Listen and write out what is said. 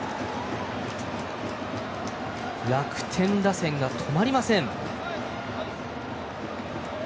楽天打線が止まりません！